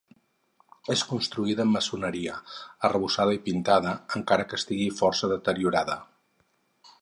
És construïda amb maçoneria, arrebossada i pintada, encara que estigui força deteriorada.